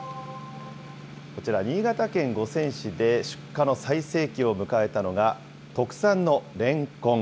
こちら、新潟県五泉市で、出荷の最盛期を迎えたのが、特産のレンコン。